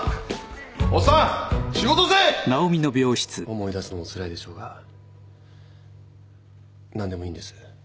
思い出すのもつらいでしょうが何でもいいんです。